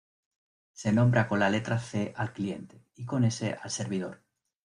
Se nombra con la letra C al cliente y con S al servidor.